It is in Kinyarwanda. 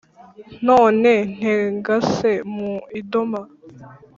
None ntengase mu idoma,